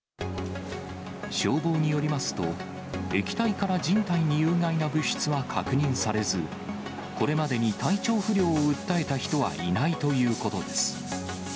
消防によりますと、液体から人体に有害な物質は確認されず、これまでに体調不良を訴えた人はいないということです。